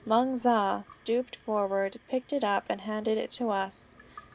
Moung Zah stooped forward, picked it up and handed it to us.